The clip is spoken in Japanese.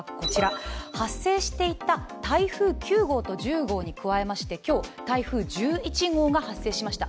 発生していた台風９号と１０号に加えまして今日、台風１１号が発生しました。